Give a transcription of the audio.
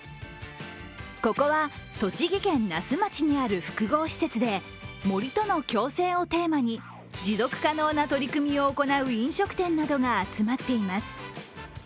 ここは栃木県那須町にある複合施設で森との共生をテーマに持続可能な取り組みを行う飲食店などが集まっています。